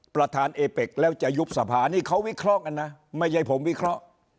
ประธานเอเป็กแล้วจะยุบสภานี่เขาวิเคราะห์กันนะไม่ใช่ผมวิเคราะห์